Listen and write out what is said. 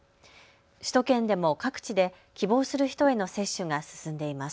首都圏でも各地で希望する人への接種が進んでいます。